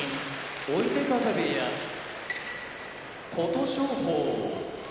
追手風部屋琴勝峰